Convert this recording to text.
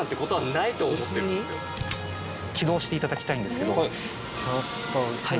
起動していただきたいんですけど。